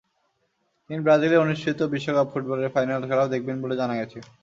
তিনি ব্রাজিলে অনুষ্ঠিত বিশ্বকাপ ফুটবলের ফাইনাল খেলাও দেখবেন বলে জানা গেছে।